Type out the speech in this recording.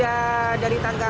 tapi memang dia ada hewannya